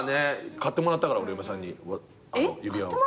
買ってもらったから俺嫁さんに指輪を。